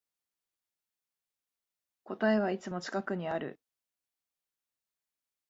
答えはいつも近くにある